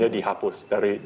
dihapus dari itu